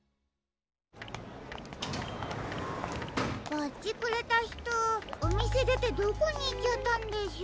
バッジくれたひとおみせでてどこにいっちゃったんでしょう。